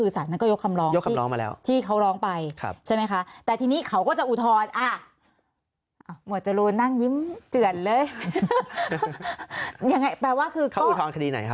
ชั้นก็ยกคำร้องที่เขาลองไปใช่ไหมคะ